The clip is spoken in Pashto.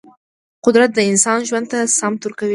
قدرت د انسان ژوند ته سمت ورکوي.